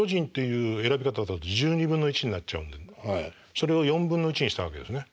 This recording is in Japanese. それを４分の１にしたわけですね。